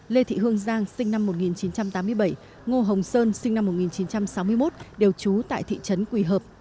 lê thị hương giang sinh năm một nghìn chín trăm tám mươi bảy ngô hồng sơn sinh năm một nghìn chín trăm sáu mươi một đều trú tại thị trấn quỳ hợp